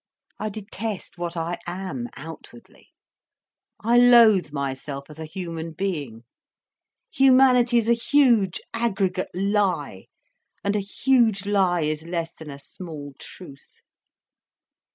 I detest what I am, outwardly. I loathe myself as a human being. Humanity is a huge aggregate lie, and a huge lie is less than a small truth.